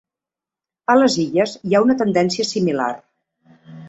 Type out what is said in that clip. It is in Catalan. A les Illes hi ha una tendència similar.